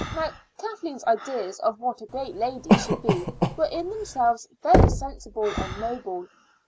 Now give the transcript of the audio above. Now Kathleen's ideas of what a great lady should be were in themselves very sensible and noble.